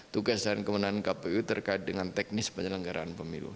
tugas dan kemenangan kpu terkait dengan teknis penyelenggaraan pemilu